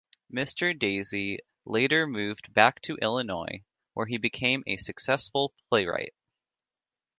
Mr. Dazey later moved back to Illinois where he became a successful playwright.